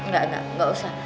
gak gak gak usah